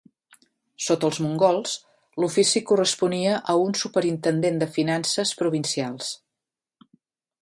Sota els mongols l'ofici corresponia a un superintendent de finances provincials.